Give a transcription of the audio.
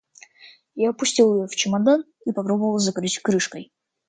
Я опустил ее в чемодан и попробовал закрыть крышкой.